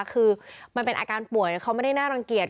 คือมันเป็นอาการป่วยเขาไม่ได้น่ารังเกียจ